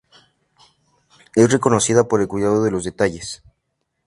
Es reconocida por el cuidado a los detalles.